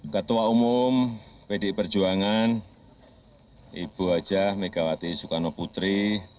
ketua umum pdi perjuangan ibu hajah megawati soekarno putri